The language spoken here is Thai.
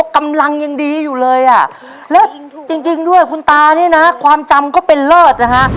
กำลังยังดีอยู่เลยอ่ะแล้วจริงด้วยคุณตาเนี่ยนะฮะความจำก็เป็นเลิศนะฮะ